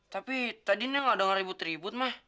tapi tadi nih gak denger ribut ribut mah